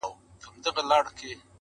قدرت ژوند، دین او ناموس د پاچاهانو!.